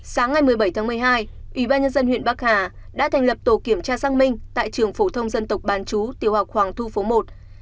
sáng ngày một mươi bảy tháng một mươi hai ủy ban nhân dân huyện bắc hà đã thành lập tổ kiểm tra xác minh tại trường phổ thông dân tộc bán chú tiểu học hoàng thu phố một